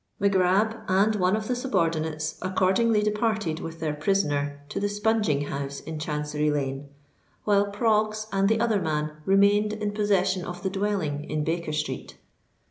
Mac Grab and one of the subordinates accordingly departed with their prisoner to the spunging house in Chancery Lane; while Proggs and the other man remained in possession of the dwelling in Baker Street.